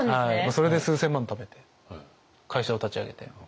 それで数千万ためて会社を立ち上げて。